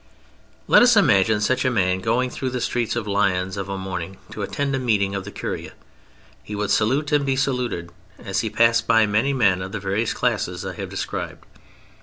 Let us imagine such a man going through the streets of Lyons of a morning to attend a meeting of the Curia. He would salute, and be saluted, as he passed, by many men of the various classes I have described.